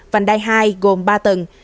vành đài hai gồm ba tầng